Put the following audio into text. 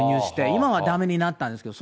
今はだめになったんですけど。